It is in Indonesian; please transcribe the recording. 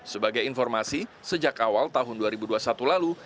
sebagai informasi sejak awal tahun dua ribu dua puluh satu lalu